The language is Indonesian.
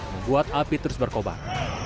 membuat api terus berkobar